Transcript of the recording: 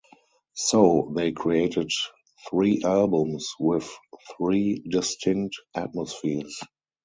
So they created three albums with three distinct atmospheres.